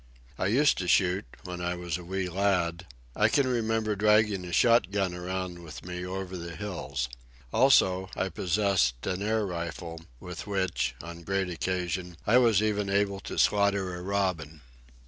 I used to shoot, when I was a wee lad. I can remember dragging a shot gun around with me over the hills. Also, I possessed an air rifle, with which, on great occasion, I was even able to slaughter a robin.